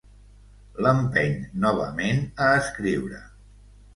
L'empeny novament a escriure.